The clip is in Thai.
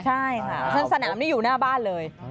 ใช่ค่ะชั้นสนามนี้อยู่หน้าบ้านเลย